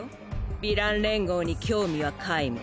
ヴィラン連合に興味は皆無。